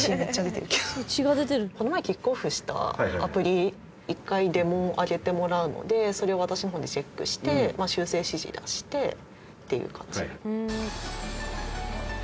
この前キックオフしたアプリ１回デモを上げてもらうのでそれを私の方でチェックして修正指示出してっていう感じ。